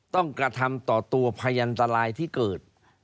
กระทำต่อตัวพยันตรายที่เกิด